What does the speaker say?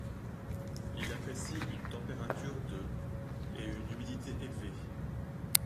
Il apprécie une température de et une humidité élevée.